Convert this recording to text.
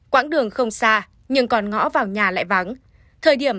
quảng đường không xa nhưng còn ngõ vào gần đó